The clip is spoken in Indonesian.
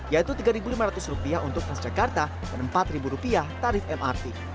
yaitu tiga ribu lima ratus rupiah untuk transjakarta dan empat ribu rupiah tarif mrt